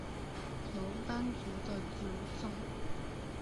楼班族的酋长。